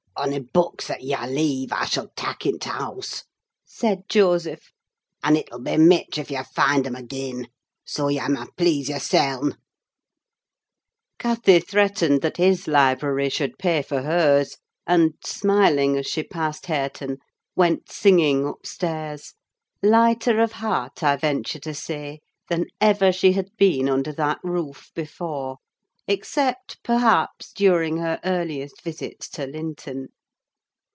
"Ony books that yah leave, I shall tak' into th' hahse," said Joseph, "and it'll be mitch if yah find 'em agean; soa, yah may plase yerseln!" Cathy threatened that his library should pay for hers; and, smiling as she passed Hareton, went singing upstairs: lighter of heart, I venture to say, than ever she had been under that roof before; except, perhaps, during her earliest visits to Linton.